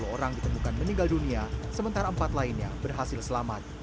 dua puluh orang ditemukan meninggal dunia sementara empat lainnya berhasil selamat